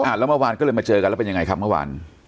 แล้วเมื่อวานก็เลยมาเจอกันแล้วเป็นยังไงครับเมื่อวาน